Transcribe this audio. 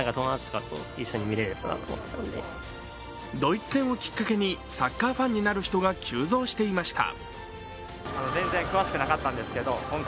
ドイツ戦をきっかけにサッカーファンになる人が急増していました。